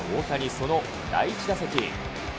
その第１打席。